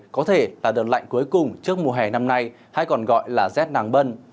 có thể là đợt lạnh cuối cùng trước mùa hè năm nay hay còn gọi là rét nàng bân